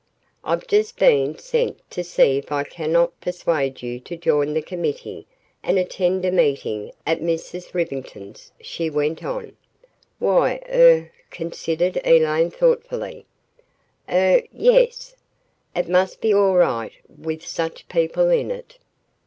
"I've just been sent to see if I cannot persuade you to join the committee and attend a meeting at Mrs. Rivington's," she went on. "Why, er," considered Elaine thoughtfully, "er yes. It must be all right with such people in it."